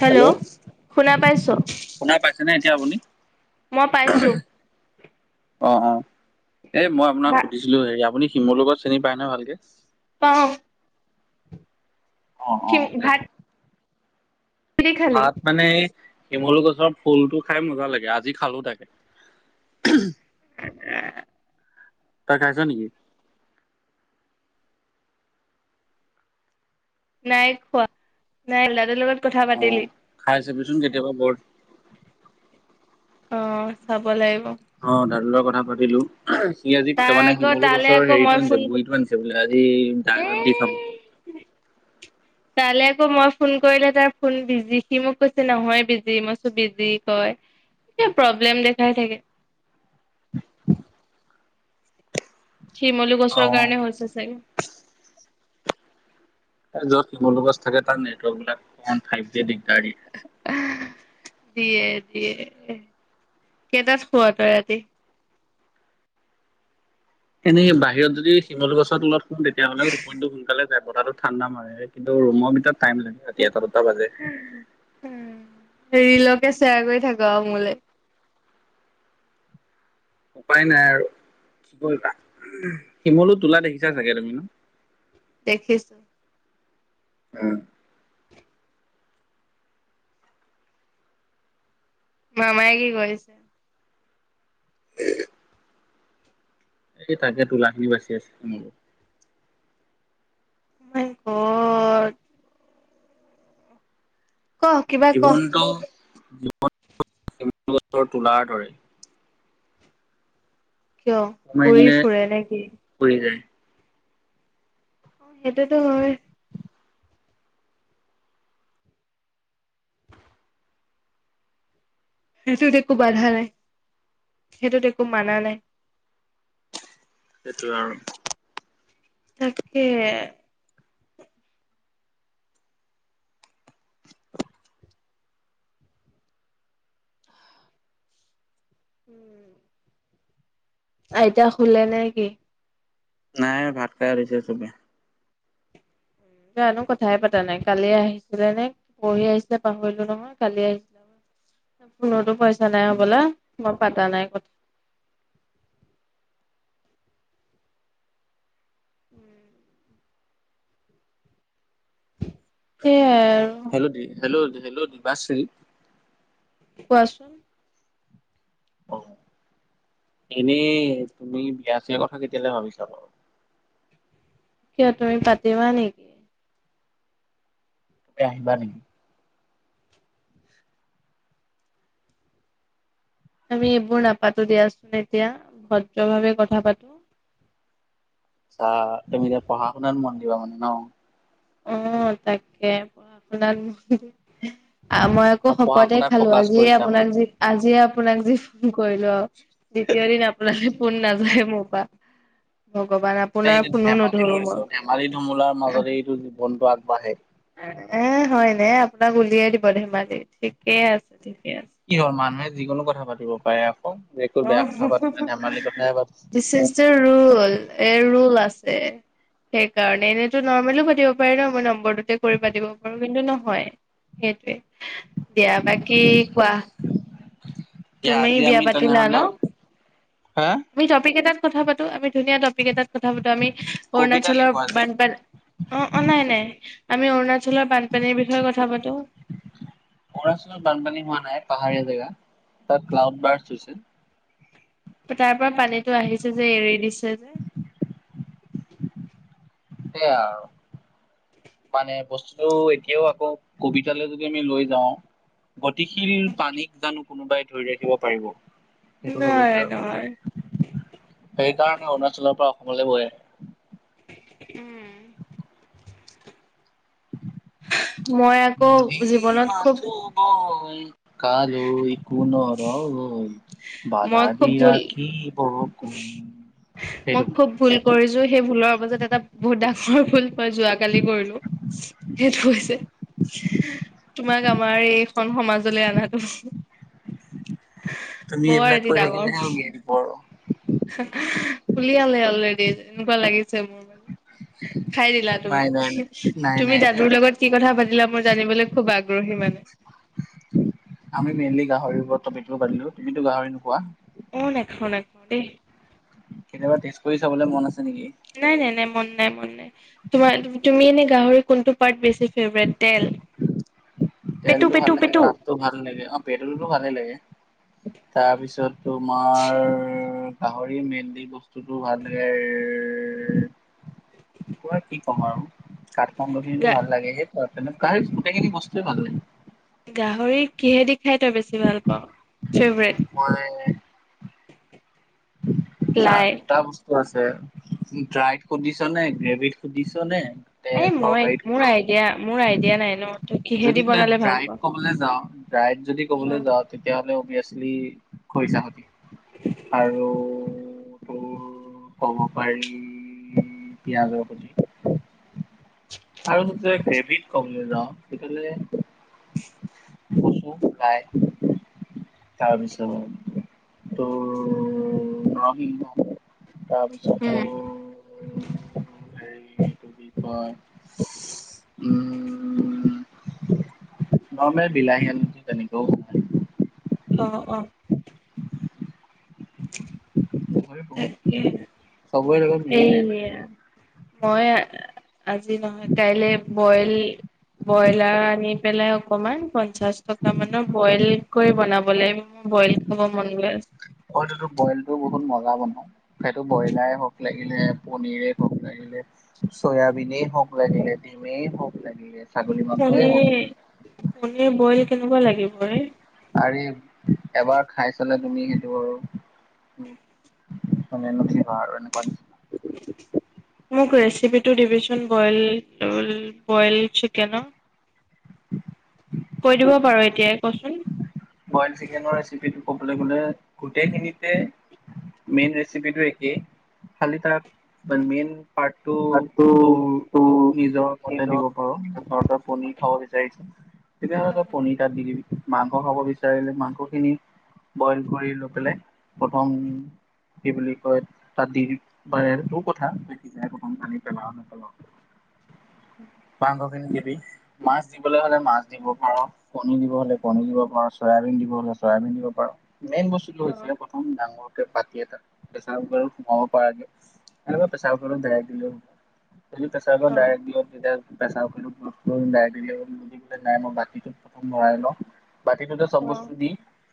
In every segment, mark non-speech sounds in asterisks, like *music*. Hello শুনা পাইছ। শুনা পাইছেনে এতিয়া আপুনি। মই পাইছোঁ। অ অ এই মই আপোনাক সুধিছিলো হেৰি আপুনি শিমলু গছ চিনি পায় নে ভালকে। পাওঁ। অ অ সি ভাত কিহেদি খালি ভাত মানে শিমলু গছৰ ফুলটো খাই মজা লাগে আজি খালো তাকে *unintelligible* তই খাইছ নেকি নাই খোৱা নাই লাদুৰ লগত কথা পাতিলি খাবিচোন কেতিয়াবা বৰ অ চাব লাগিব অ দাদা লগত কথা পাতিলো সি আজি তাৰ মানে আকৌ শিমলু তালে গছৰ আকৌ মই হেৰিতটো আনিছে ফোন গুৰিটো আনিছে বোলে আজি এ দাইলত দি খাব *inaudible* তালে আকৌ মই ফোন কৰিলে তাৰ ফোন বিজি সি মোক কৈছে নহয় বিজি মই কৈছো বিজি কয় এ প্ৰব্লেম দেখাই থাকে *inaudible* শিমলু অ গছৰ কাৰণে হৈছে চাগে য'ত কমলগছ থাকে তাৰ নেটৱৰ্কবিলাক ক ফাইভ জি দিগদাৰী দিয়ে দিয়ে কেইটাত শুৱ তই ৰাতি এনে বাহিৰত যদি শিমলু গছৰ তলত হোম তেতিয়াহ'লে টোপনিটো সোনকালে বতাতো ঠাণ্ডা মাৰে কিন্তু ৰুমৰ ভিতৰত টাইম লাগে ৰাতি এটা দুটা বাজে তে শ্বেয়াৰ কৰি থাক মোলে উপায় নাই আৰু কি শিমলো তোলা দেখিছা চাগে তুমি ন দেখিছো উম মামায়ে কি কৰিছে এই তাকে তোলাখিনী বাচি আছে তোমালোক নাইক ক কিবা ক জীৱনটো গছৰ তোলাৰ দৰে কিয় কোৰ মাৰি উৰি দিলে ফুৰে নেকি পৰি যায়। অ সেইটোতো হয় সেইটোত একো বাধা নাই সেইটোত একো মানা নাই সেইটোয়ে আৰু তাকে উম আইতা শুলে নে কি নাই ভাত খাই উঠিছে চবে জানো কথাই পতা নাই কালি আহিছিলে নে পঢ়ি আহিছিলে পাহৰিলো নহয় কালি আহিছিলে ফোনতো পাই কথা নাই হ'বলা মই পাতা নাই কথা উম সেইয়াই আৰু হেল্ল' দ হেল্ল হেল্ল' দিবাস্ৰী কোৱাচোন অ এনেই তুমি বিয়া চিয়া কথা কেতিয়ালে ভাবিছা বাৰু কিয় তুমি পাতিবা নেকি তুমি আহিবা নেকি আমি এইবোৰ নাপাতো দিয়াচোন এতিয়া ভদ্ৰভাৱে কথা পাতো তুমি এতিয়া পঢ়া শুনাত মন দিবা মানে ন অ তাকে আপোনাক হুমহু মই আকৌ অ', পঢ়া শপতে শুনাত খালো ফকাচ আজিয়ে কৰিছা আপোনাক মানে। যি আজিয়ে আপোনাক যি ফোন কৰিলো আৰু দ্বিতীয় দিন আপোনালে ফোন নাযায় মোৰপা এইটো ধেমালি কৰিছো ধেমালি ধুমুলাৰ মাজতে এইটো জীৱনটো আগবাঢ়ে এ হয়নে আপোনাক উলিয়াই দিব ধেমালি ঠিকে আছে ঠিকে আছে কি হ'ল মানুহে যিকোনো কথা পাতিব পাৰে একো বেয়া অহ কথা পাতা অ নাই ধেমালি কথাহে পাতিছে। This is the role a role আছে সেইকাৰণে এনেইতো নৰ্মেলিও পাতিব পাৰি ন মই নম্বৰটোতে কৰি পাতিব পাৰো কিন্তু নহয় সেইটোৱে দিয়া বাকী কোৱা এতিয়া তুমি আজি বিয়া আমি পাতি লা ন তেনেহলে হা আমি টপিক এটাত কথা পাতো আমি ধুনীয়া টপিক এটাত কথা পাতো আমি কবিতা অৰুণাচলৰ লিখো আজি। বানপানী অ অ নাই নাই আমি অৰুণাচলৰ বানপানীৰ বিষয়ে কথা পাতো অৰুণাচলত বানপানী হোৱা নাই পাহাৰীয়া জেগা তাত ক্লাউড বাৰচ হৈছে তাৰ পৰা পানীটো আহিছে যে এৰি দিছে যে সেয়া আৰু মানে বস্তুটো এতিয়াও আকৌ কবিতালৈ যদি আমি লৈ যাওঁ গতিশীল পানীক জানো কোনোবাই ধৰি ৰাখিব পাৰিব সেইটো হয় নোৱাৰে গৈছে নোৱাৰে। আৰু সেইকাৰণে অৰুণাচলৰ পা তললে বৈ আহে উম মই আকৌ নদী জীৱনত খুব মাথোঁ বয় কালৈ কো নৰয় মই বাধা খুব দি ভুল ৰাখিব কোন মই সেইটো খুব ভুল কৰিছো সেই ভুলৰ মাজত এটা বহুত ডাঙৰ ভুল মই যোৱাকালি কৰিলো সেইটো হৈছে তোমাক আমাৰ এইখন সমাজলৈ আনাটো তুমি এইবিলাক কৈ ডাঙৰ থাকিলেহে উলিয়াই দিব ৰহ উলিয়ালে অলৰেডি এনেকোৱা লাগিছে মোৰ মানে খাই দিলা নাই তুমি নাই নাই নাই তুমি নাই নাই দাদুৰ লগত কি কথা পাতিলা মোৰ জানিবলৈ খুব আগ গ্ৰহী মানে আমি মেইনলি গাহৰি উপৰত টপিকটো পাতিলো তুমিতো গাহৰি নোখোৱা মই নেখাওঁ নেখাওঁ দেই কেতিয়াবা টেষ্ট কৰি চাবলৈ মন আছে নেকি? নাই নাই নাই মন নাই মন নাই তোমাৰ তুমি এনে গাহৰি কোনটো পাৰ্ট বেছি ফেভৰেট তেল পেটু তেলটো ভাল পেটু লাগে পেটু কাজটো ভাল লাগে অ পেট্ৰলটো ভালেই লাগে তাৰপিছত তোমাৰ চি গাহৰি মেইনলি বস্তুটো ভালেই পুৰা কি ক'ম আৰু কাঠফম গুটিটো গা ভাল লাগে গোটেইখিনি বস্তুৱে ভাল লাগে গাহৰি কিহেদি খাই তই বেছি ভাল পাও মই। উ চা দুটা বস্তু আছে। ড্ৰাইত সুধিছ নে গ্ৰেভ সুধিছ নে। তে এই মই তৰকাৰীত মোৰ সুধিছ আইডিয়া মোৰ আইডিয়া নাই ন তই কিহেদি যদি তই বনালে ভাল ড্ৰাইত পাও কবলৈ যাওঁ ড্ৰাইত যদি কবলে যাওঁ তেতিয়াহ'লে অভিয়াচলি খৰিচা হতি উ। আৰু তোৰ কব পাৰি পিয়াঁজৰ প্ৰতি। আৰু তেতি হেবিট কম যাওঁ তেতিয়া হ'লে। কছো খাই। তাৰপিছত ত নৰসিংহ। তাৰপিছতো উম হেৰিটো কি কয়। *unintelligible* উ নৰ্মেল বিলাহী খন তেনেকেও। অ অ। বনাই বহুত তাকে চবৰে লগত মিলি যায় মানে সেইয়া। মই আজি নহয় কাইলে বইল। ব্ৰইলাৰ আনি পেলাই অকমান পঞ্চাশ টকা মানৰ বইল কৰি বনাব লাগিব। বইল খাব মন গৈছে। বনা সেইটো ব্ৰইলাৰে হক লাগিলে পনিৰে হক লাগিলে চয়াবিনে হওক। ভোক লাগিলে ধিমেই ভোক লাগিলে। ছাগলী মাংসই হওক পনীৰ পনীৰ বইল কেনেকুৱা লাগিব ৰে। আ এবাৰ খাই চালে তুমি সেইটো আৰু। ম ন ভিৰ আৰু। মোক ৰেচিপিটো দিবিচোন বইল বইল চিকেনৰ। কৈ দিব পাৰো এতিয় কচোন। বইল চিকেনৰ ৰেচিপিটো ক'বলৈ গলে গোটেইখিনিতে। মেইন ৰেচিপি একেই খালি তাৰ মেইন। পাৰটো তাতো তোৰ। তো নিজৰ মতে এইটো দিব পাৰ ধৰ তই পনীৰ খাব বিচাৰিছ তেনেহলে অ তই পনীৰ তাত দি দিবি। মাংস খাব বিচাৰিলে মাংসখিনি বইল কৰি লৈ পেলাই প্ৰথম। কি বুলি কয় তাত দি প তটো কথা পানি পেলা নেপেলওঁ। *unintelligible* অ *unintelligible* মাংস খিনি কিবি মাছ দিবলৈ হলে মাছ দিব পাৰ কণী দিব হলে কণী দিব পাৰ। চয়াবিন দিব হলে চয়াবিন দিব পাৰ মেইন বস্তুতটো অ হৈছে প্ৰথম ডাঙৰ। এটাত প্ৰেছাৰ কুকাৰ সোমাব পৰা যায় এ প্ৰেচাৰ কুকাৰ দেৰা দিলেও হ'ব। তুমি তছ গ ন ড অ'। এক দিয় দিগদাৰ আছে। পেচা দে নাই মই বাকী প্ৰথমৰাই ল। সেইটোতে চব বস্তু দি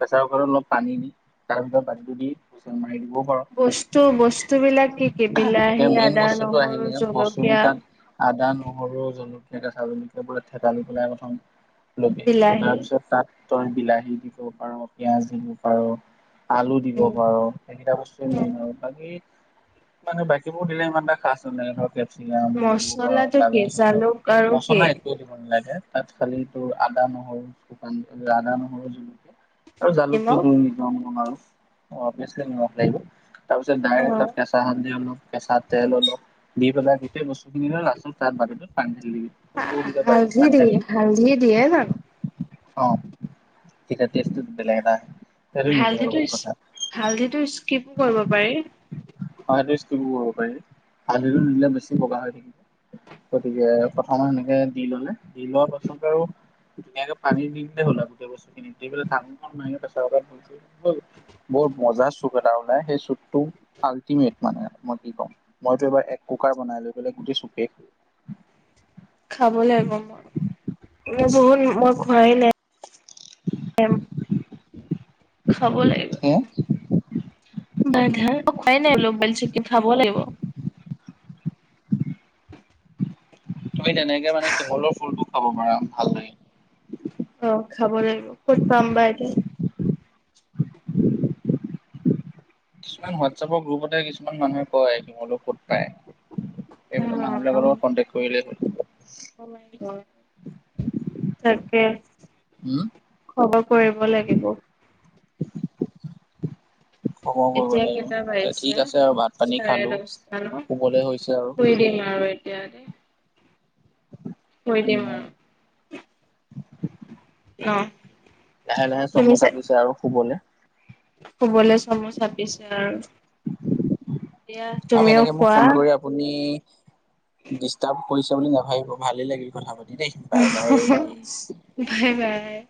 বেচা ঘৰত অলপ পানী দি তাৰ ভিতৰত পানীটো দিচ মাৰি দি। পাৰ বস্তু বস্তু বিলাক কি কি বিলাহী এতিয়া মেইন আদা বস্তুটো নহৰু আহিলে বস্তুটো জলকীয়া তাত। আদা নহৰু জলকীয়া। ছালীকে বোলে থেতালি পেলাই প্ৰথম লে বিলাহী তাৰপিছত তাত। তই বিলাহী দিব পাৰ পিয়াঁজ দিব পাৰ। আলু দিব পাৰ সেইকেইটা বস্তুৱে মেইন আৰু বাকী। মানে বাকীবোৰ দিলে ইমান এটা খাচ মে ধৰকে। চিৰাম দিব পাৰ মচলাটো কি গাজৰ মচলা জালুক আৰু কি মচলা একোৱও দিব নালাগে। তাত খালি তোৰ আদা নহৰু শুকান আদা নহৰু জলকীয়া। আৰু জালুকটো নিমখ? ত নিজম গম আৰু অ ম লাগিব। তাৰপিছত অ' ডাইৰেক্ট তাত কেঁচা হালধী ললো, কেঁচা তেল ললো, দি পেলাই গোটেই বস্তু খিনিয়ে ন' লাচোন তাত বাকি এইটোত পানী ঢালি দিবি। হাঁ ফুলকে বাতি হালধী পানী দি -হালধী দিয়ে জানো? অঁ, এতিয়া তেছটো বেলেগ এটা সেইটো নিজৰ হালধীটো লগত স্ক্ কথা -হালধীটো স্কিপো কৰিব পাৰি। হালধী স্কিপো কৰিব পাৰি। হালধীটো নিদিলে বেছি বগা হৈ যায়। গতিকে প্ৰথম সেনেকে দি ললে। দি লোৱা পাছত আৰু ধুনীয়াকে পানী দিলে হ'ল আৰু গোটেই বস্তুখিনিক ঢাকনিখন মাৰি প্ৰেছাৰকুকাৰত দি দিলেই হ'ল। ব্ বৰ মজা চুপ। চুপ এটা ওলাই সেইচুপটো আল্টিমেট মানে, মই কি কম? মইটো এবাৰ এক্‌কুক্কাৰ বনাইলৈ পেলাই। গেচুকে খাব লাগিব মই, মই বহুত, মই খোৱাই নাই। এম। খাব লাগিব, হে বাধাৰ খুৱাই নাই অলপো। আজি চিকেন খাব লাগিব। তুমি তেনেকে মানে, শিমলুৰ ফুলটো খাব পাৰা, ভাল লাগে। অ খাব লাগিব, ক'ত পাম বা এইটো? কিছুমান হোৱাটছএপৰ গ্ৰুপতে কিছুমান মানুহে কয়, শিমলু ফুল? হয়, অ সেইবোৰ মানুহ বিলাকৰ লগত কন্টেক কৰিলেই হ'ল। অনলাইন দি কয়, তাকে উম খবৰ কৰিব লাগিব। খবৰ কৰিব এতিয়া লাগিব কেইটা তে ঠিক বাজিছে? আছে আৰু ভাত পানী চাৰে খালো দচটা ন শুবলে হৈছে আৰু শুই দি দিম আৰু এতিয়া দেই? কৰিদে মা। লাহে লাহে চমু চাপিছে আৰু শুবলে। শুবলে চমু চাপিছে আৰু এইয়া আৰু তুমিও এনেকে মোক খোৱা। ফোন কৰি আপুনি ডিষ্টাৰ্ব কৰিছ' বুলি নাভাবিব। ভালেই লাগিল কথা পাতি। দেখ বাই বাই। Bye bye